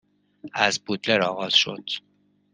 از بودلر آغاز شد